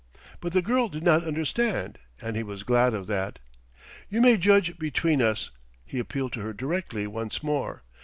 But the girl did not understand; and he was glad of that. "You may judge between us," he appealed to her directly, once more.